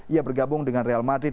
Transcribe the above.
ia bergabung dengan real madrid